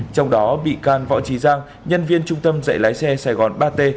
trong đó bị can võ trí giang nhân viên trung tâm dạy lái xe sài gòn ba t